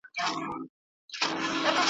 او د مفاهیمو هغه عمق چي `